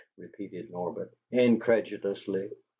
repeated Norbert, incredulously.